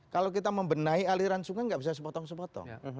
kalau kita membenahi aliran sungai nggak bisa sepotong sepotong